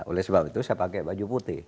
oleh sebab itu saya pakai baju putih